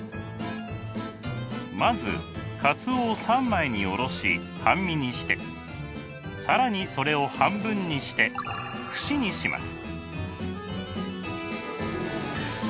まずかつおを三枚におろし半身にして更にそれを半分にして節にします。